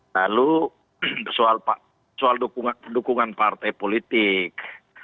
lalu soal dukungan partai politik